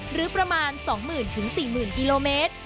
หรือประมาณ๒๐๐๐๔๐๐กิโลเมตร